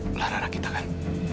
melarang kita kan